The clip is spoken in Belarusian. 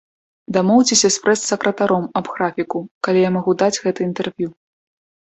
Дамоўцеся з прэс-сакратаром аб графіку, калі я магу даць гэта інтэрв'ю.